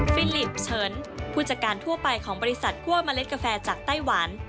ฟิลิปเฉินผู้จัดการทั่วไปของบริษัทคั่วเมล็ดกาแฟจากไต้หวัน